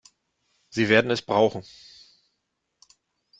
Sie werden es brauchen.